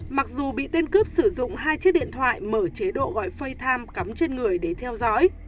mặc dù bị tên cướp sử dụng hai chiếc điện thoại mở chế độ gọi time cắm trên người để theo dõi